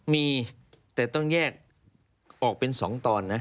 มีแต่ต้องแยกออกเป็น๒ตอนนะ